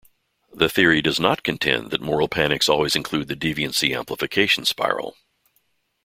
The theory does not contend that moral panics always include the deviancy amplification spiral.